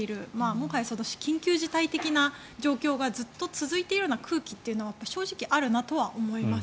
もはや緊急事態的な状況がずっと続いているような空気が正直あるなとは思います。